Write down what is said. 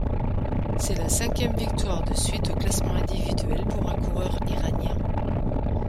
C'est la cinquième victoire de suite au classement individuel pour un coureur iranien.